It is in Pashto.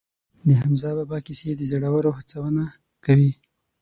د حمزه بابا کیسې د زړورو هڅونه کوي.